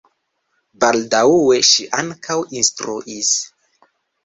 Baldaŭe ŝi ankaŭ instruis.